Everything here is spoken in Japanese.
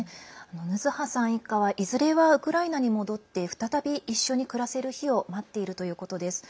ヌズハさん一家はいずれはウクライナに戻って再び一緒に暮らせる日を待っているということです。